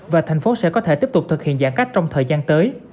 và thành phố sẽ có thể tiếp tục thực hiện giãn cách trong thời gian tới